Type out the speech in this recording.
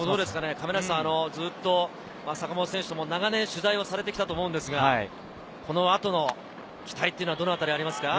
亀梨さんはずっと、坂本選手の取材をしてきたと思うんですが、この後の期待はどのあたり、ありますか。